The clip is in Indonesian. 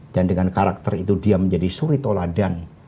dan dengan karakter itu dia menjadi suri toladan